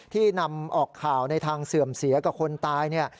ที่นำออกข่าวในทางเสื่อมเสียกับคนตายเนี่ย